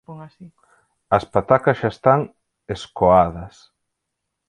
As patacas xa están escoadas